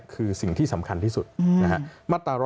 คือสิ่งที่สำคัญที่สุด